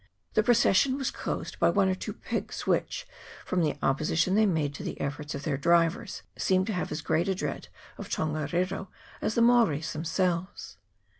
The procession was closed by one or two pigs, which, from the opposition they made to the efforts of their drivers, seemed to have as great a dread of Tonga riro as the Mauris themselves.